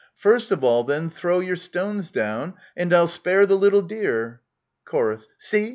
First of all, then, throw your stones down, and I'll spare the little dear. Chor. See